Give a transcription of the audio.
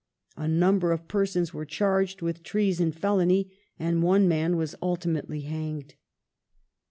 A number of persons were charged with treason felony and one man was ultimately hanged.